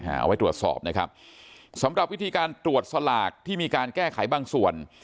เอาไว้ตรวจสอบนะครับสำหรับวิธีการตรวจสลากที่มีการแก้ไขบางส่วน